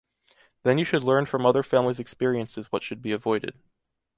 Then you should learn from other families experiences what should be avoided...